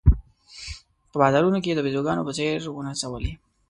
په بازارونو کې د بېزوګانو په څېر ونڅولې.